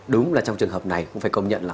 đúng là trong trường hợp này cũng phải công nhận là